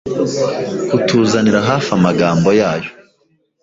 Kutuzanira hafi amagambo yayo